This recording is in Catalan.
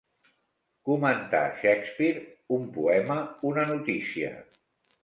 Comentar Shakespeare, un poema, una notícia.